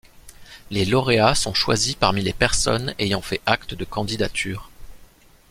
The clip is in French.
Les lauréats sont choisis parmi les personnes ayant fait acte de candidature.